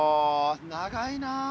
長いな。